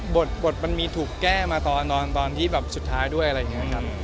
บทมันมีถูกแก้มาตอนที่แบบสุดท้ายด้วยอะไรอย่างนี้ครับ